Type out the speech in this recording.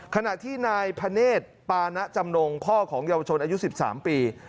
ขณะที่นายพเนธปานะจำนงพ่อของเยาวชนอายุ๑๓ปี